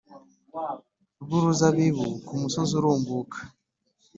Rw uruzabibu ku musozi urumbuka